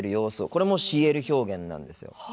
これもＣＬ表現なんですよ。